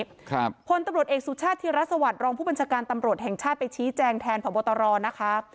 ครับพลตำรวจเอกสุชาติธิรัฐสวัสดิรองผู้บัญชาการตำรวจแห่งชาติไปชี้แจงแทนพบตรนะคะ